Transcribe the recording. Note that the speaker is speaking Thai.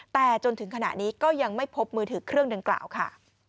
แต่จนถึงขณะนี้ก็ยังไม่พบมือถือเครื่องดังกล่าวค่ะ